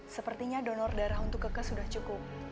sepertinya donor darah untuk kekes sudah cukup